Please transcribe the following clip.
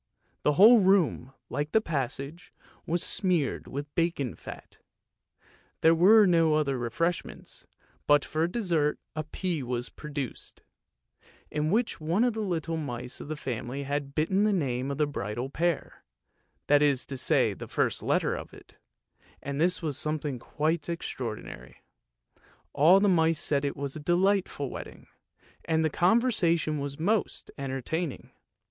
The whole room, like the passage, was smeared with bacon fat; there were no other refreshments, but for dessert a pea was produced, in which one of the little mice of the family had bitten the name of the bridal pair; that is to say the first letter of it, and this was something quite extraordinary. All the mice said it was a delightful wedding, and the con versation most entertaining.